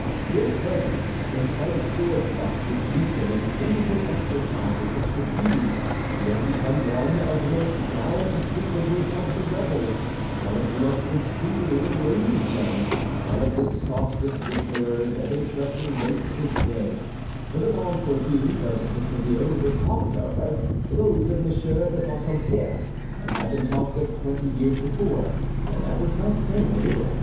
Still further, in spite of sword thrusts which weaken, and painful exercises which fatigue, he had become one of the most gallant frequenters of revels, one of the most insinuating lady's men, one of the softest whisperers of interesting nothings of his day; the bonnes fortunes of de Tréville were talked of as those of M. de Bassompierre had been talked of twenty years before, and that was not saying a little.